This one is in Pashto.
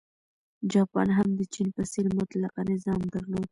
جاپان هم د چین په څېر مطلقه نظام درلود.